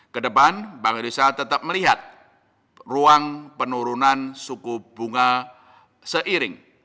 kedepan bank indonesia tetap melihat ruang penurunan suku bunga seiring